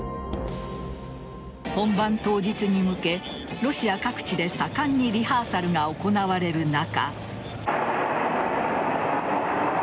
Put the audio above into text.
本番当日に向け、ロシア各地で盛んにリハーサルが行われる中。